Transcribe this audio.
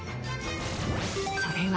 それは。